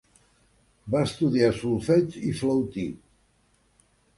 Va estudiar solfeig i flautí.